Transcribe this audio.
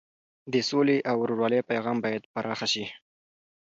د سولې او ورورولۍ پیغام باید پراخه شي.